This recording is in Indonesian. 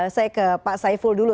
saya ke pak saiful dulu